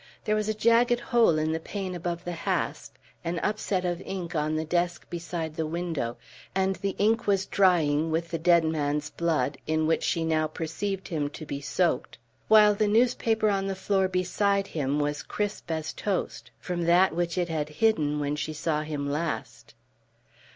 There was a jagged hole in the pane above the hasp; an upset of ink on the desk beneath the window; and the ink was drying with the dead man's blood, in which she now perceived him to be soaked, while the newspaper on the floor beside him was crisp as toast from that which it had hidden when she saw him last.